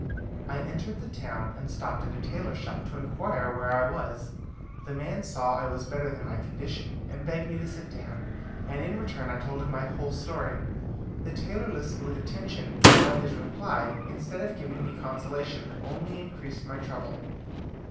I entered the town, and stopped at a tailor's shop to inquire where I was. The man saw I was better than my condition, and begged me to sit down, and in return I told him my whole story. The tailor listened with attention, but his reply, instead of giving me consolation, only increased my trouble.